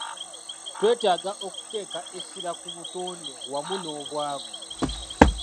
Twetaaga okuteeka essira ku butonde wamu n'obwavu.